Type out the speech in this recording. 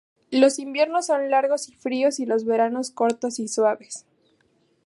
Los inviernos son largos y fríos y los veranos cortos y suaves.